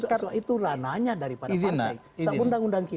soalnya itu ranahnya daripada partai